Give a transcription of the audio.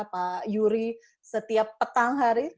pak yuri setiap petang hari